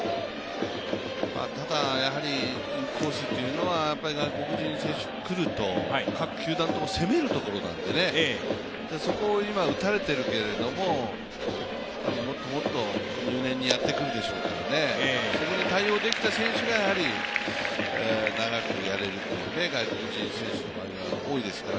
ただ、インコースというのは外国人選手は来ると各球団とも攻めるとこなのでそこを今、打たれているけれども、もっともっと入念にやってくるでしょうからそこに対応できた選手がやはり長くやれるというのが外国人選手の場合は多いですから。